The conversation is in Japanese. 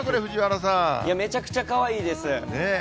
めちゃくちゃかわいいです。ねぇ。